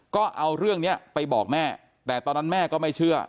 ก็เอาเรื่องนี้ไปบอกแม่แต่ตอนนั้นแม่ก็ไม่เชื่อ